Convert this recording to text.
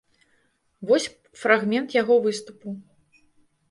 Вось фрагмент яго выступаў.